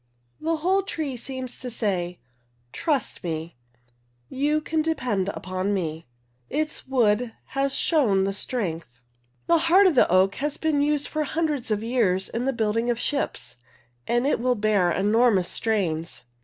The whole tree seems to say "Trust me, you can depend upon me." Its wood has shown the strength. 56 The heart of the oak has been used for hundreds of years in the building of ships and it will bear enormous strains.